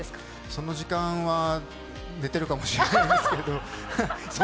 その時間は寝てるかもしれないですけど。